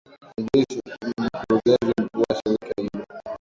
n joyce ni mkurugenzi mkuu wa shirika hilo